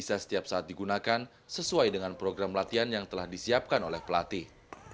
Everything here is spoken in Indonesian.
bisa setiap saat digunakan sesuai dengan program latihan yang telah disiapkan oleh pelatih